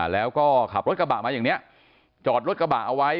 แล้วก็ขับรถกระบะมาอย่างนี้จอดรถกระบะเอาไว้